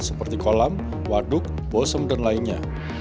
seperti kolam waduk bosem dan lainnya